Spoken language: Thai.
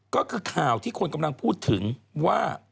ก็คือข่าวที่คนกำลังพูดถึงว่า